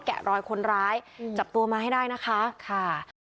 แกะรอยคนร้ายจับตัวมาให้ได้นะคะค่ะ